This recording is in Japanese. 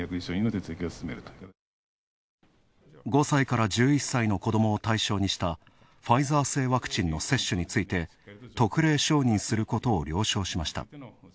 ５歳から１１歳の子どもを対象にしたファイザー製ワクチンの接種について特例承認することを了承しました。